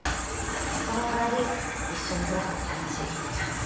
その代わり一緒に暮らすって話ちゃんと。